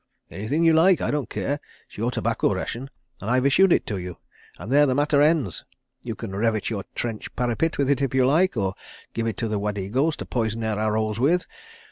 "Anything you like. ... I don't care. ... It's your tobacco ration, and I've issued it to you, and there the matter ends. ... You can revet your trench parapet with it if you like—or give it to the Wadegos to poison their arrows with.